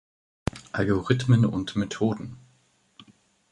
Algorithmen und Methoden".